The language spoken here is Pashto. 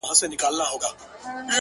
د انسانانو جهالت له موجه!! اوج ته تللی!!